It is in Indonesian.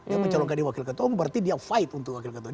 dia mencalonkan wakil ketua umum berarti dia fight untuk wakil ketua